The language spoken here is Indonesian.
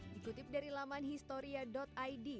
dikutip dari laman historia id